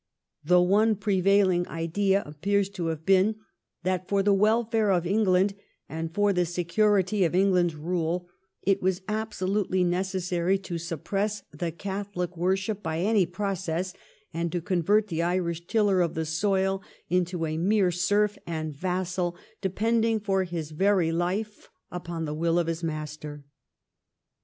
The one prevaiUng idea appears to have been that for the welfare ot England and for the security of England's rule it was absolutely necessary to suppress the CathoHc worship by any process, and to convert the Irish tiller of the soil into a mere serf and vassal depending for his very life upon the will of his master.